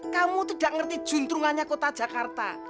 kamu tidak mengerti juntrungannya kota jakarta